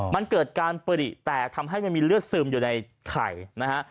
มันเกิดการปริแตกทำให้มันมีเลือดซึมอยู่ในไข่นะฮะ